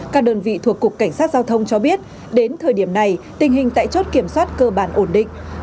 các đơn vị thuộc cục cảnh sát giao thông cho biết đến thời điểm này tình hình tại chốt kiểm soát cơ bản ổn định